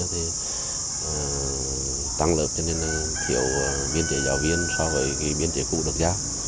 thì tăng lớp cho nên là thiếu biên chế giáo viên so với biên chế cũ được giao